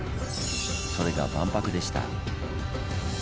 それが万博でした。